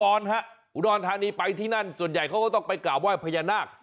อันนี้พอลฮ่ะอุธวลธานีไปที่นั่นส่วนใหญ่เค้าก็ต้องไปกล่าวว่ายพญานาค